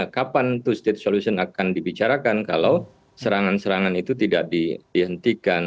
kapan two state solution akan dibicarakan kalau serangan serangan itu tidak dihentikan